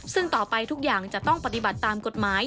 ซึ่งต่อไปทุกอย่างจะต้องปฏิบัติตามกฎหมาย